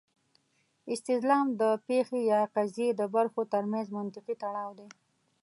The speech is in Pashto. استلزام د پېښې یا قضیې د برخو ترمنځ منطقي تړاو دی.